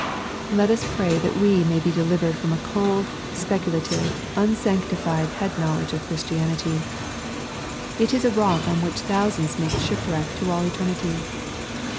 Let us pray that we may be delivered from a cold, speculative, unsanctified head knowledge of Christianity. It is a rock on which thousands make shipwreck to all eternity.